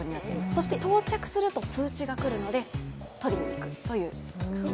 そして到着すると通知が来るので取りにいくということです。